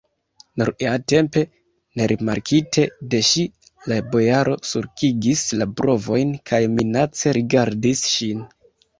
Nur iatempe, nerimarkite de ŝi, la bojaro sulkigis la brovojn kaj minace rigardis ŝin.